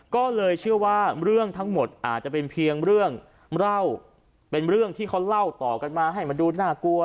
ก็เลยเชื่อว่าเรื่องทั้งหมดอาจจะเป็นเพียงเรื่องเล่าเป็นเรื่องที่เขาเล่าต่อกันมาให้มันดูน่ากลัว